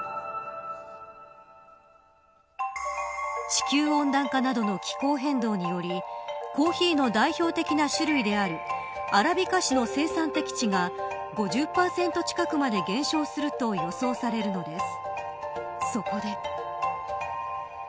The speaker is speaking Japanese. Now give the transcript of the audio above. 地球温暖化などの気候変動によりコーヒーの代表的な種類であるアラビカ種の生産適地が５０％近くまで減少すると予想されるのです。